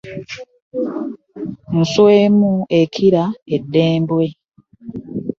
Nswa emu ekira eddembwe .